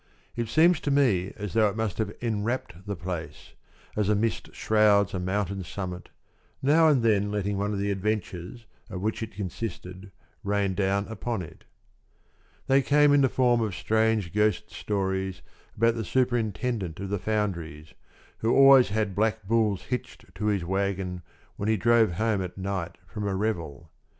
It seems to me as though it must have enwrapped the place, as a mist shrouds a mountain summit, now and then letting one of the adventures of which it consisted rain down upon it. They came in the form of strange ghost stories about the superintendent of the foundries, who always had black bulls hitched to his wagon when he drove home at night from a revel.